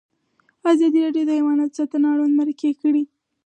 ازادي راډیو د حیوان ساتنه اړوند مرکې کړي.